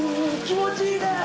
気持ちいいだろ。